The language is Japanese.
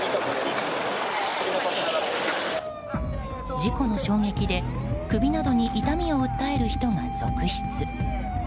事故の衝撃で首などに痛みを訴える人が続出。